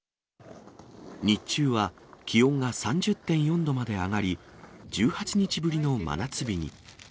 日中は気温が３０．４度まで上がり、１８日ぶりの真夏日に。